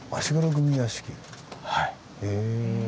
へえ。